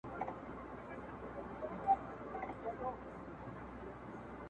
له غړومبي د تندر ټوله وېرېدله -